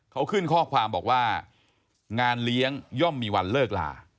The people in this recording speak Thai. เขาขึ้นข้อความบอกว่างานเลี้ยงย่อมมีวันเลิกลา